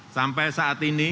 sampai saat ini